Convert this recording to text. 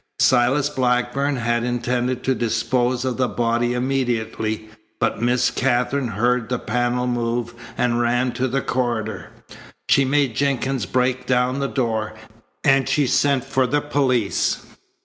Silas Blackburn had intended to dispose of the body immediately, but Miss Katherine heard the panel move and ran to the corridor. She made Jenkins break down the door, and she sent for the police.